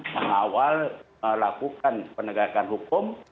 yang awal melakukan penegakan hukum